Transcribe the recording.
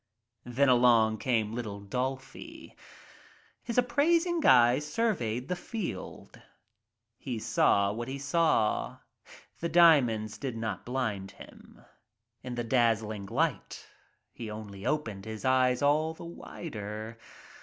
"Then along came little Dolfy. < His appraising eye surveyed the field. He saw what he saw. The diamonds did not blind him. In the dazzling light he only opened his eyes all the wider.